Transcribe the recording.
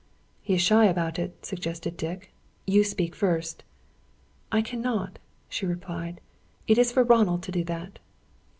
"He is shy about it," suggested Dick. "You speak first." "I cannot," she replied. "It is for Ronald to do that."